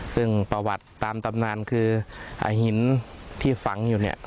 ซึ่งประวัติตามตำนานคือหินที่ฝังอยู่เนี่ย